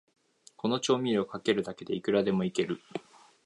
この調味料をかけるだけで、いくらでもイケる